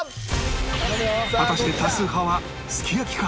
果たして多数派はすき焼きか？